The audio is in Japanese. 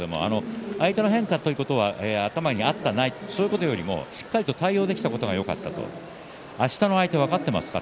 相手の変化ということは頭にあった、ないということよりしっかり対応できたことがよかったとあしたの相手分かっていますか？